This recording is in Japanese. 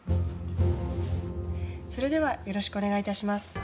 それではよろしくお願いいたします。